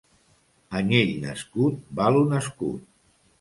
Anyell nascut val un escut.